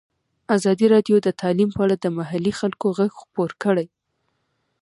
ازادي راډیو د تعلیم په اړه د محلي خلکو غږ خپور کړی.